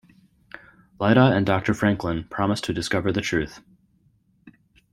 Lyta and Doctor Franklin promise to discover the truth.